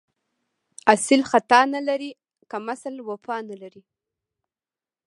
اصیل خطا نه لري، کم اصل وفا نه لري